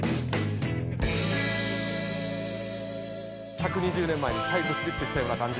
１２０年前にタイムスリップしたような感じで。